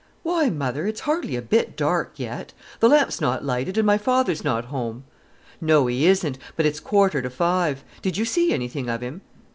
"Why, mother, it's hardly a bit dark yet. The lamp's not lighted, and my father's not home." "No, he isn't. But it's a quarter to five! Did you see anything of him?"